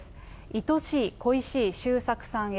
いとしい恋しい周作さんへ。